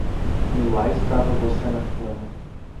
E lá estava você na cama.